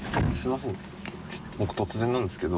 突然なんですけど。